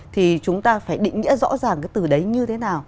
thì chúng ta phải định nghĩa rõ ràng cái từ đấy như thế nào